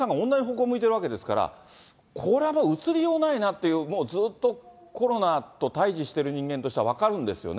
向いてるわけですから、これはもううつりようないなっていう、もうずっと、コロナと対じしている人間としては分かるんですよね。